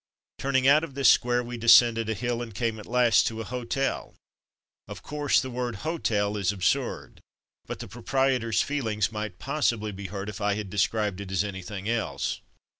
Turning out of this square we descended a hill and came at last to a hotel. Of course, the word '' hotel'' is absurd; but the proprietor's feelings might 26o From Mud to Mufti possibly be hurt if I described it as anything else.